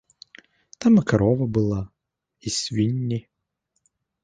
Там і карова была, і свінні.